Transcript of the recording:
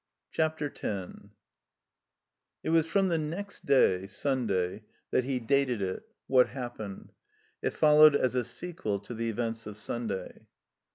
CHAPTER X IT was from the next day, Sunday, that he dated it — ^what happened. It followed as a seqxiel to the events of Sunday.